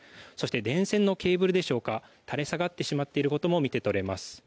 電線のケーブルでしょうか垂れ下がってしまっていることも見て取れます。